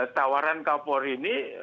tawaran kapuari ini